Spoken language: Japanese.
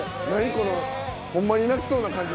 このホンマに泣きそうな感じ。